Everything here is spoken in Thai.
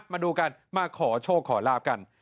มาดูกันมาขอโชคขอลาบกัน